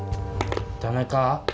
ダメか。